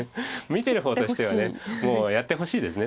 見てる方としてはもうやってほしいです。